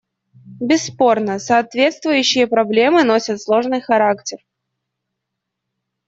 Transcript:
Бесспорно, соответствующие проблемы носят сложный характер.